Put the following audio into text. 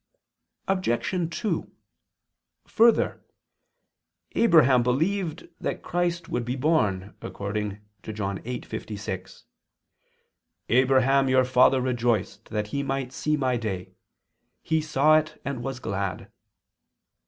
Obj. 2: Further, Abraham believed that Christ would be born, according to John 8:56: "Abraham your father rejoiced that he might see My day: he saw it, and was glad."